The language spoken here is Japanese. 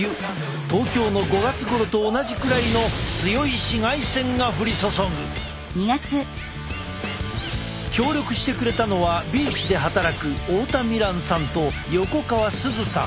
東京の５月ごろと同じくらいの強い紫外線が降り注ぐ。協力してくれたのはビーチで働く大田美欄さんと横川涼さん。